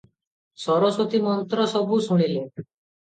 ସରସ୍ୱତୀ ମନ୍ତ୍ର ସବୁ ଶୁଣିଲେ ।